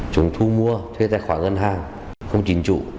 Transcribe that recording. chúng thu mua thuê tài khoản ngân hàng không chính trụ